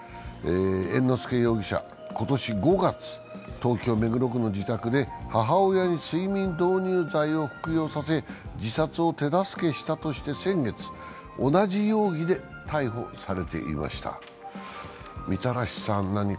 猿之助容疑者は今年５月、東京・目黒区の自宅で母親に睡眠導入剤を服用させ、自殺を手助けしたとして先月、同じ容疑で逮捕されていました。